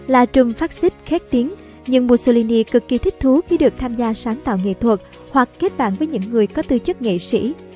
là trùm phát xích khét tiếng nhưng mussolini cực kỳ thích thú khi được tham gia sáng tạo nghệ thuật hoặc kết bạn với những người có tư chất nghệ sĩ